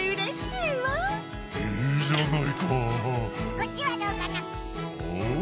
こっちはどうかな？